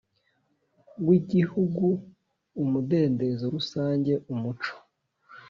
w Igihugu umudendezo rusange umuco